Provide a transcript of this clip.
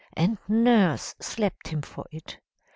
And Nurse slapped him for it.